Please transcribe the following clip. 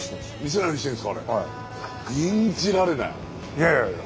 いやいやいや